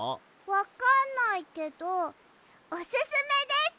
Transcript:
わかんないけどおすすめです！